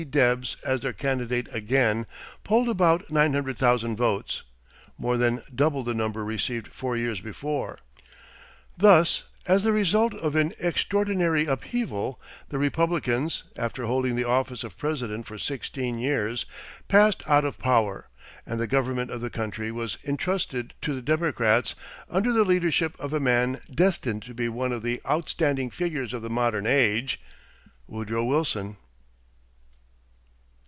Debs as their candidate again, polled about 900,000 votes, more than double the number received four years before. Thus, as the result of an extraordinary upheaval the Republicans, after holding the office of President for sixteen years, passed out of power, and the government of the country was intrusted to the Democrats under the leadership of a man destined to be one of the outstanding figures of the modern age, Woodrow Wilson.